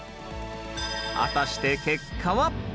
果たして結果は？